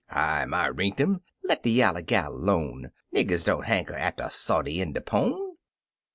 Hi my rinktum! let de yaller gal 'tone; Niggers don't hanker arter sody in de pone.